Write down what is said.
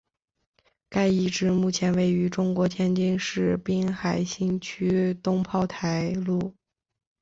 该遗址目前位于中国天津市滨海新区东炮台路。